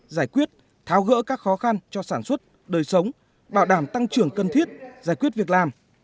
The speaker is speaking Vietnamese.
giải quyết tháo gỡ các khó khăn cho sản xuất đời sống bảo đảm tăng trưởng cần thiết giải quyết việc làm